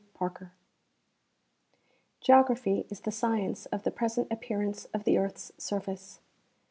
PARKER Geography is the science of the present appearance of the earth's surface.